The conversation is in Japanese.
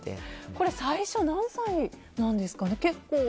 これは最初、何歳なんですか？